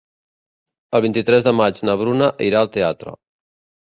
El vint-i-tres de maig na Bruna irà al teatre.